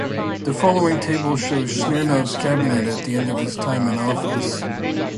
The following table shows Smirnov's cabinet at the end of his time in office.